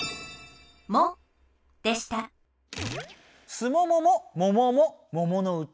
「すもももももももものうち」。